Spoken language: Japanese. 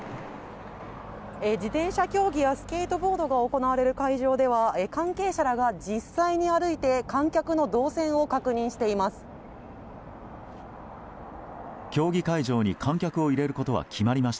自転車競技やスケートボードが行われる会場では関係者らが実際に歩いて観客の動線を確認しています。